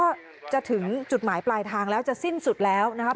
ก็จะถึงจุดหมายปลายทางแล้วจะสิ้นสุดแล้วนะครับ